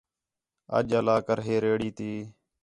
اَڄّا لا کر ہے ریڑھی تی